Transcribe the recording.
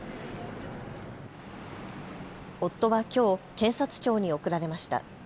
夫はきょう検察庁に送られました。